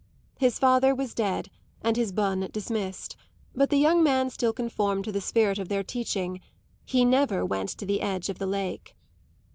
His father was dead and his bonne dismissed, but the young man still conformed to the spirit of their teaching he never went to the edge of the lake.